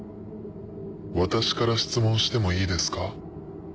私から質問してもいいですか？